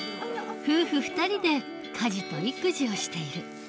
夫婦２人で家事と育児をしている。